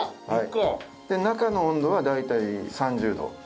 で中の温度は大体３０度。